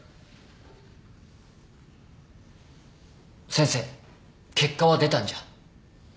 先生結果は出たんじゃ？